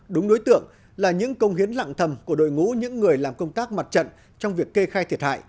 đúng đối tượng là những công hiến lặng thầm của đội ngũ những người làm công tác mặt trận trong việc kê khai thiệt hại